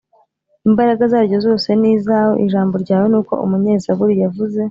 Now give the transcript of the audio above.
. Imbaraga zaryo zoze ni izawe. “Ijambo ryawe,” niko umunyezaburi yavuze